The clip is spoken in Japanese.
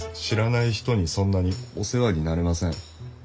知らない人にそんなにお世話になれません。